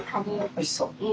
おいしそう。